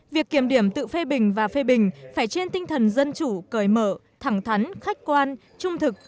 việc kiểm điểm tự phê bình và phê bình phải trên tinh thần dân chủ cởi mở thẳng thắn khách quan trung thực